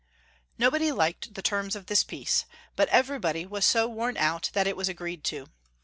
Nobody liked the terms of this peace, but everybody was so worn out that it was agreed to.